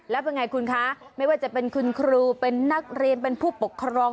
แล้วเป็นไงคุณคะไม่ว่าจะเป็นคุณครูเป็นนักเรียนเป็นผู้ปกครอง